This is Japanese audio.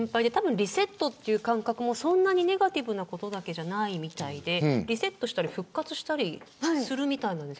リセットという感覚もそんなにネガティブなことだけじゃないみたいでリセットしたり、復活したりするみたいなんです。